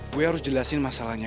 gue harus jelasin masalahnya